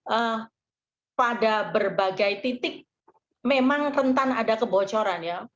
eee pada berbagai titik memang rentan ada kebocoran ya